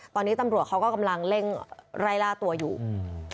ตอนนี้ตำรวจเขาก็กำลังเร่งไล่ล่าตัวอยู่อืม